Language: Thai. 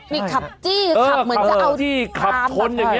มีขับจี้ขับเหมือนจะเอาคนอย่างนี้